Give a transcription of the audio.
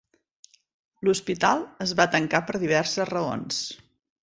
L'hospital es va tancar per diverses raons.